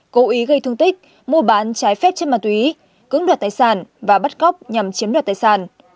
cố ý gây thương tích mua bán trái phép trên mặt túy cứng đoạt tài sản và bắt cóc nhằm chiếm đoạt tài sản